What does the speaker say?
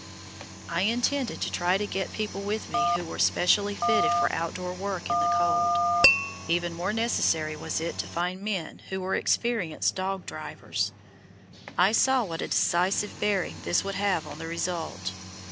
I intended to try to get people with me who were specially fitted for outdoor work in the cold. Even more necessary was it to find men who were experienced dog drivers; I saw what a decisive bearing this would have on the result.